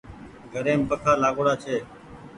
گھريم پکآ لآگوڙآ ڇي۔